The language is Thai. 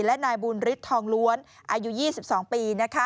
และนายบุญฤทธิทองล้วนอายุ๒๒ปี